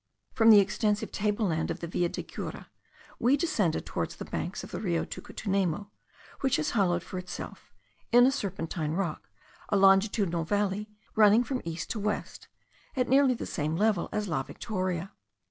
From the extensive table land of the Villa de Cura we descended towards the banks of the Rio Tucutunemo, which has hollowed for itself, in a serpentine rock, a longitudinal valley running from east to west, at nearly the same level as La Victoria.